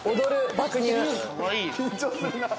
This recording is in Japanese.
緊張するな。